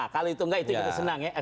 kalau itu enggak itu kita senang ya